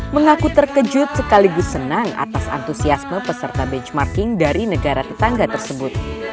mengaku terkejut sekaligus senang atas antusiasme peserta benchmarking dari negara tetangga tersebut